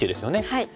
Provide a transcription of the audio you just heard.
はい。